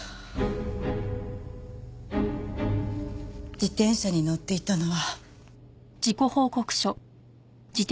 自転車に乗っていたのは。